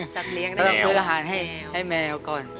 สัตว์เลี้ยงได้ก่อนแมวแมวพี่โศกเริ่มซื้ออาหารให้แมวก่อน